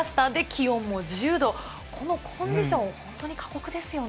気温も１０度、このコンディション、本当に過酷ですよね。